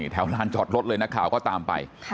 ลานจอดรถเลยนักข่าวก็ตามไป